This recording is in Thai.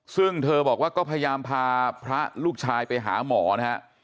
ซึ่งเธอบอกว่าก็พยายามพาพระลูกชายไปหาหมอนะฮะ